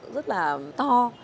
rất là to